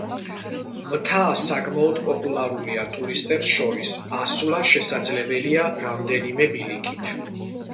მთა საკმაოდ პოპულარულია ტურისტებს შორის; ასვლა შესაძლებელია რამდენიმე ბილიკით.